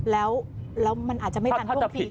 แล้วมันอาจจะไม่ตันพรุ่งทีก็ได้